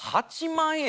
８万円！